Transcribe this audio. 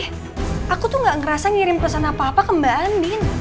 eh aku tuh gak ngerasa ngirim pesan apa apa ke mbak andi